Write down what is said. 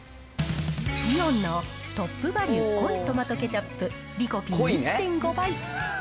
イオンのトップバリュ濃いトマトケチャップリコピン１．５倍。